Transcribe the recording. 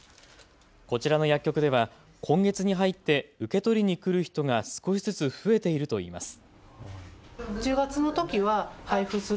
こちらの薬局では今月に入って受け取りに来る人が少しずつ増えているといいます。